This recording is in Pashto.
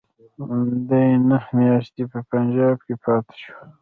دی نهه میاشتې په پنجاب کې پاته شو.